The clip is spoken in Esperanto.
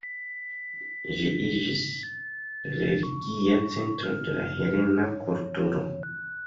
Ĝi iĝis la religia centro de la helena kulturo.